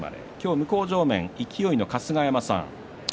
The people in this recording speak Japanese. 向正面の勢の春日山さん